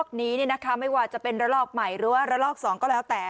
ระบาดระลอกนี้นะคะไม่ว่าจะเป็นระลอกใหม่หรือว่าระลอก๒ก็แล้วแต่